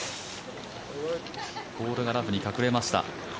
ボールがラフに隠れました。